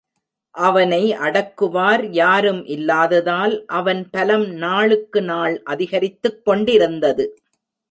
அவனை அடக்குவார் யாரும் இல்லாததால் அவன் பலம் நாளுக்குநாள் அதிகரித்துக் கொண்டிருந்தது.